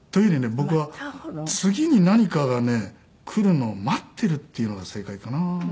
僕は次に何かがね来るのを待ってるっていうのが正解かな。